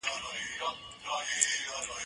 دا لوبه له هغه خوندوره ده،